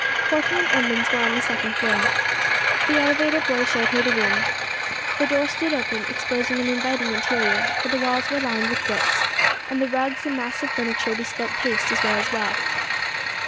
Porter & Edmunds were on the second floor. The elevator boy showed her the room. The door stood open, exposing an inviting interior, for the walls were lined with books, and the rugs and massive furniture bespoke taste as well as wealth.